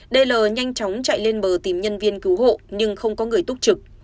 dl nhanh chóng chạy lên bờ tìm nhân viên cứu hộ nhưng không có người túc trực